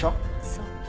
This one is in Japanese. そう。